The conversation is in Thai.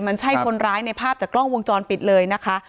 มันใช่คนร้ายในภาพจากกล้องวงจรปิดเลยนะคะ